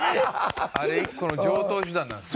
あれ一個の常套手段なんです。